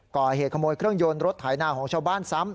ก่อเหตุขโมยเครื่องยนต์รถไถนาของชาวบ้านซ้ำ